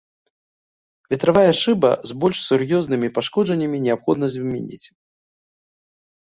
Ветравая шыба з больш сур'ёзнымі пашкоджаннямі неабходна замяніць.